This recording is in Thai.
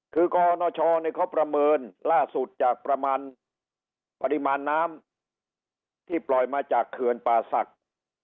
คือกรณชเขาประเมินล่าสุดจากประมาณปริมาณน้ำที่ปล่อยมาจากเขื่อนป่าศักดิ์